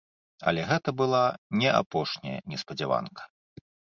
Але гэта была не апошняя неспадзяванка.